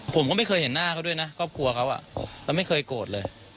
ผมก็ไม่เคยเห็นหน้าเขาด้วยนะครอบครัวเขาแล้วไม่เคยโกรธเลย